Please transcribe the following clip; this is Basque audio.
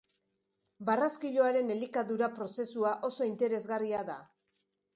Barraskiloaren elikadura prozesua oso interesgarria da.